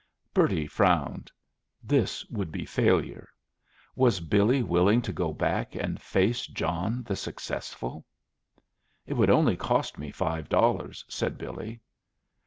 Bertie frowned. This would be failure. Was Billy willing to go back and face John the successful? "It would only cost me five dollars," said Billy.